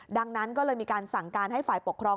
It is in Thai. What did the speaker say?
ดังนั้นก็เลยมีการสั่งการให้ฝ่ายปกครอง